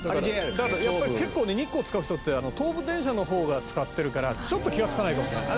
だから、やっぱり、結構ね日光使う人って東武電車の方が使ってるからちょっと気が付かないかもしれない。